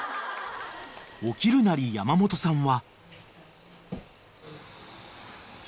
［起きるなり山本さんは］